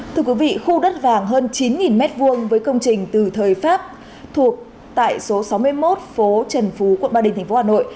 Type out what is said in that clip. thưa quý vị khu đất vàng hơn chín m hai với công trình từ thời pháp thuộc tại số sáu mươi một phố trần phú quận ba đình tp hà nội